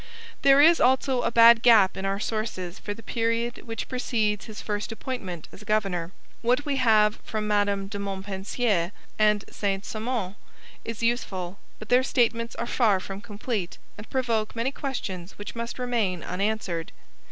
There is also a bad gap in our sources for the period which precedes his first appointment as governor. What we have from Madame de Montpensier and Saint Simon is useful, but their statements are far from complete and provoke many questions which must remain unanswered.